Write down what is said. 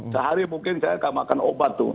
sehari mungkin saya nggak makan obat tuh